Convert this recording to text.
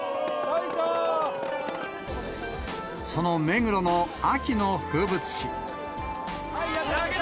その目黒の秋の風物詩。